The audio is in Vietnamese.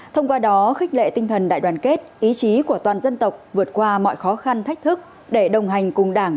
thông qua đó khích lệ tinh thần đại đoàn kết ý chí của toàn dân tộc vượt qua mọi khó khăn thách thức để đồng hành cùng đảng